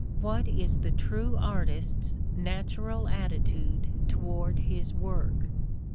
What is the true artist's natural attitude toward his work?